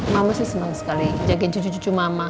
mama sih senang sekali jaga cucu cucu mama